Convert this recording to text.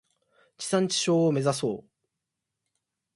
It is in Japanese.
地産地消を目指そう。